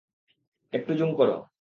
একটু জুম করো।